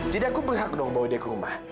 jadi aku berhak dong bawa dia ke rumah